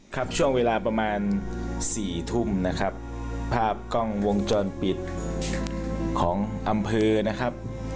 ครับช่วงเวลาประมาณสี่ทุ่มนะครับภาพกล้องวงจรปิดของอำเภอนะครับ